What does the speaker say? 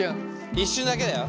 一瞬だけだよ。